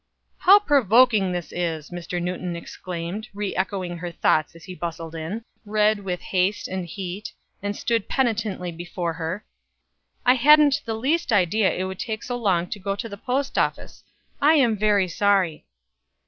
"How provoking this is!" Mr. Newton exclaimed, re echoing her thoughts as he bustled in, red with haste and heat, and stood penitently before her. "I hadn't the least idea it would take so long to go to the post office. I am very sorry!"